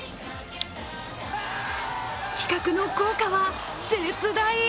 企画の効果は絶大？